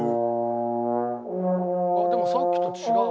「あっでもさっきと違う」